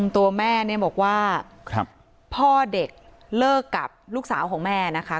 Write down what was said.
ตัวแม่เนี่ยบอกว่าพ่อเด็กเลิกกับลูกสาวของแม่นะคะ